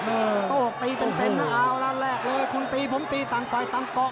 เออโตตีจนเต็มน่ะเอาล่ะแหลกเลยคุณตีผมตีต่างไปต่างเกาะ